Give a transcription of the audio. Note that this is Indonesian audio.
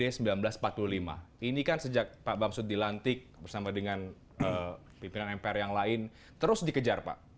ini kan sejak pak bamsud dilantik bersama dengan pimpinan mpr yang lain terus dikejar pak